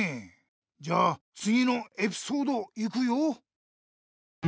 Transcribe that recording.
じゃあつぎのエピソードいくよ。